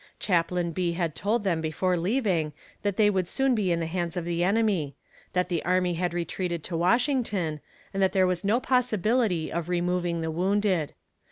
Chaplain B. had told them before leaving that they would soon be in the hands of the enemy that the army had retreated to Washington, and that there was no possibility of removing the wounded.